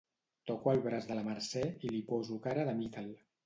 Toco el braç de la Mercè i li poso cara de mi-te'l.